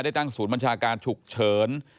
ตั้งศูนย์บัญชาการฉุกเฉิน